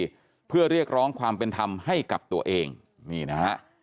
ไปเพื่อเรียกร้องความเป็นธรรมให้กับตัวเองนี่นะฮะ